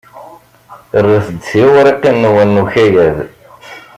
Rret-d tiwriqin-nwen n ukayad.